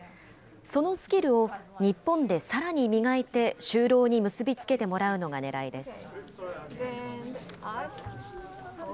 そのスキルを日本でさらに磨いて、就労に結び付けてもらうのがねらいです。